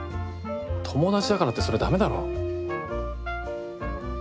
友達だからってそれだめだろ。